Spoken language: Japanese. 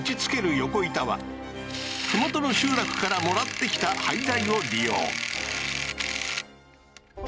横板は麓の集落からもらってきた廃材を利用